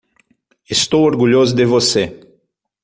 Estou orgulhoso de você.